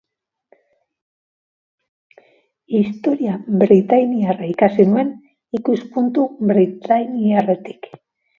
Historia britainiarra ikasi nuen ikuspuntu britainiarretik.